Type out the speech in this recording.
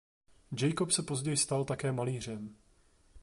Jacob se později stal také malířem.